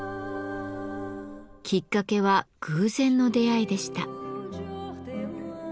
きっかけは偶然の出会いでした。